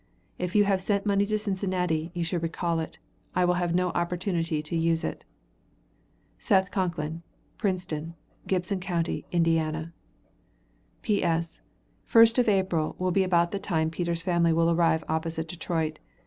If you have sent money to Cincinnati, you should recall it. I will have no opportunity to use it. Seth Concklin, Princeton, Gibson county, Ind. P.S. First of April, will be about the time Peter's family will arrive opposite Detroit.